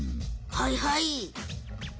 はいはい。